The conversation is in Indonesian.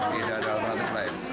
tidak ada alternatif lain